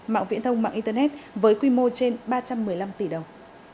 mạng viễn thông mạng internet với quy mô trên ba trăm một mươi năm tỷ đồng